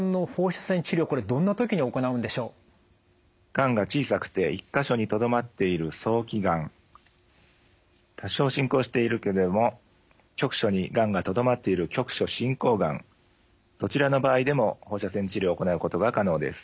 がんが小さくて１か所にとどまっている多少進行しているけども局所にがんがとどまっているどちらの場合でも放射線治療を行うことが可能です。